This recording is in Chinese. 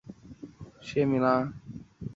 小学毕业后她随后迁往并且于当地就读中学。